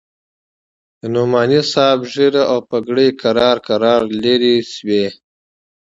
د نعماني صاحب ږيره او پګړۍ کرار کرار لرې سوې.